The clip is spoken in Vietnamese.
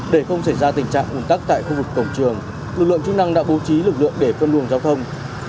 để không xảy ra tình trạng ủn tắc tại khu vực cổng trường lực lượng chức năng đã bố trí lực lượng để phân luồng giao thông